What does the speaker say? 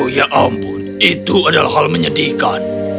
ya ampun itu adalah hal menyedihkan